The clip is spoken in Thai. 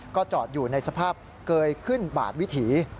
ก็จอดอยู่ในสภาพเกยขึ้นบาดวิถี